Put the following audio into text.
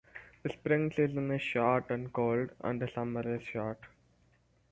The spring season is short and cold and the summer is short.